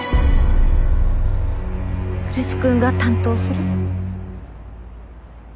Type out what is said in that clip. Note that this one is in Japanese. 来栖君が担当する？